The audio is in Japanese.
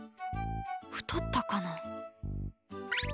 太ったかな？